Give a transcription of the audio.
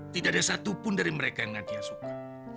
tidak ada satupun dari mereka yang nadia suka